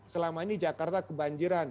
selama ini jakarta kebanjiran